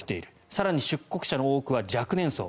更に出国者の多くは若年層。